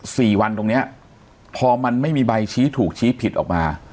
สี่วันตรงเนี้ยพอมันไม่มีใบชี้ถูกชี้ผิดออกมา